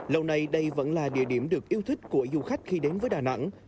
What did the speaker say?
lâu nay đây vẫn là địa điểm được yêu thích của du khách khi đến với đà nẵng